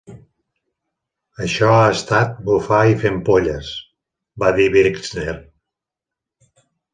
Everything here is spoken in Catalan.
""Això ha estat bufar i fer ampolles", va dir Brixner."